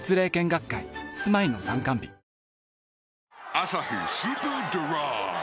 「アサヒスーパードライ」